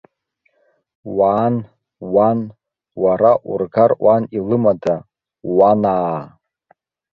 Уаан, уан, уара ургар уан илымада, уанаа.